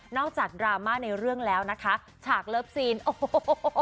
จากดราม่าในเรื่องแล้วนะคะฉากเลิฟซีนโอ้โห